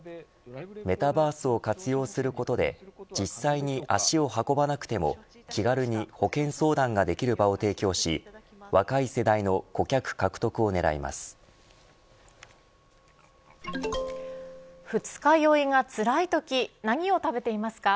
メタバースを活用することで実際に足を運ばなくても気軽に保険相談ができる場を提供し若い世代の二日酔いがつらいとき何を食べていますか。